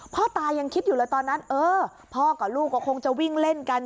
พ่อตายังคิดอยู่เลยตอนนั้นเออพ่อกับลูกก็คงจะวิ่งเล่นกัน